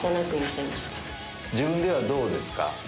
自分ではどうですか？